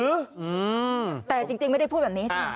อืมแต่จริงไม่ได้พูดแบบนี้